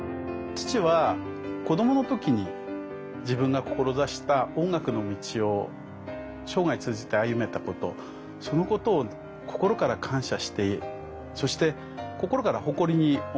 父は子どもの時に自分が志した音楽の道を生涯通じて歩めたことそのことを心から感謝してそして心から誇りに思っていました。